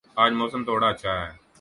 آج موسم تھوڑا اچھا ہے